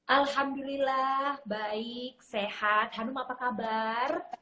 alhamdulillah baik sehat hanum apa kabar